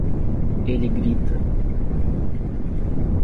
Ele grita